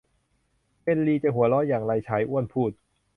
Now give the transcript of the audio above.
เนลลีจะหัวเราะอย่างไร ชายอ้วนพูด